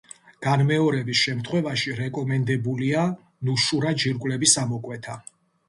განმეორების შემთხვევაში რეკომენდებულია ნუშურა ჯირკვლების ამოკვეთა.